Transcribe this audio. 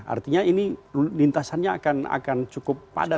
artinya ini lintasannya akan cukup padat